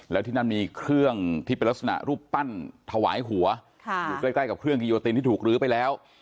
แล้วที่นั่นมีเครื่องที่เป็นลักษณะรูปปั้นถวายหัวอยู่ใกล้กับเครื่องกิโยตินที่ถูกลื้อไปแล้ว